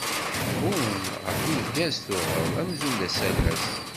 Ḥekkun ɣef urgaz tuɣeḍ, amzun d asalas.